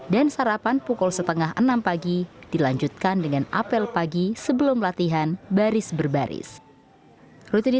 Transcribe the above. dan setelah beribadah mereka melakukan senam pagi sekitar pukul lima pagi